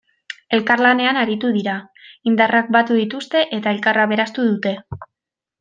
Elkarlanean aritu dira, indarrak batu dituzte eta elkar aberastu dute.